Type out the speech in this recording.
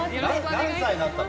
何歳になったの？